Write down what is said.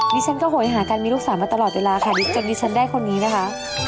ฉันก็โหยหากันมีลูกสาวมาตลอดเวลาค่ะจนดิฉันได้คนนี้นะคะ